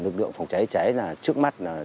nước lượng phòng cháy cháy là trước mắt